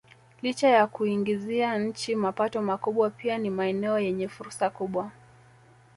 Licha ya kuiingizia nchi mapato makubwa pia ni maeneo yenye fursa kubwa